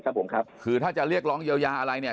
ครับผมครับคือถ้าจะเรียกร้องเยียวยาอะไรเนี่ย